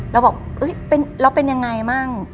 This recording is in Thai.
แล้วบอกแล้วเป็นยังไงมั่ง